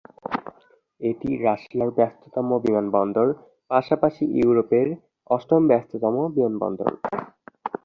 এটি রাশিয়ার ব্যস্ততম বিমানবন্দর, পাশাপাশি ইউরোপের অষ্টম-ব্যস্ততম বিমানবন্দর।